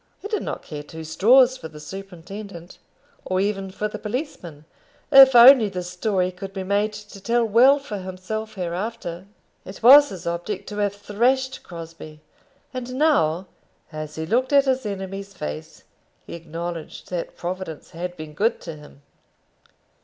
He did not care two straws for the superintendent or even for the policemen, if only the story could be made to tell well for himself hereafter. It was his object to have thrashed Crosbie, and now, as he looked at his enemy's face, he acknowledged that Providence had been good to him.